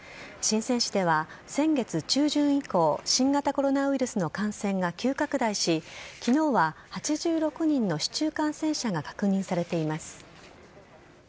深せん市では先月中旬以降、新型コロナウイルスの感染が急拡大し、きのうは８６人の市中感染者が確認されています。